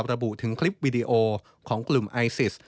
ระบุถึงคลิปวิดีโอของกลุ่มไอซิส